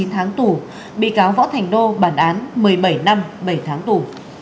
chín tháng tù bị cáo võ thành đô bản án một mươi bảy năm bảy tháng tù